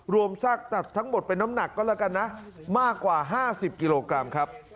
ซากตัดทั้งหมดเป็นน้ำหนักก็แล้วกันนะมากกว่า๕๐กิโลกรัมครับ